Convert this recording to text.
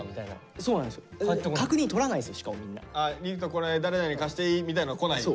これ誰々に貸していい？」みたいのがこないんだ。